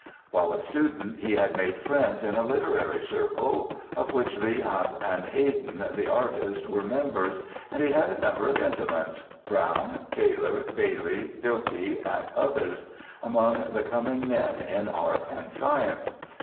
While a student he had made friends in a literary circle, of which Leigh Hunt and Haydon, the artist, were mem bers, and he had a number of intimates — Brown, Taylor, Bailey, Dilke, and others — among the coming men in art and science.